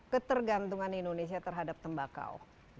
ketergantungan indonesia terhadap tembakau